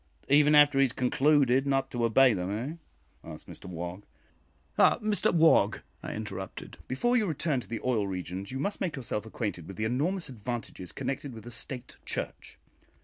"Even after he has concluded not to obey them, eh?" asked Mr Wog. "Ah, Mr Wog," I interrupted, "before you return to the oil regions, you must make yourself acquainted with the enormous advantages connected with a State Church.